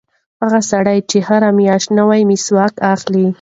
هغه سړی هره میاشت نوی مسواک اخلي.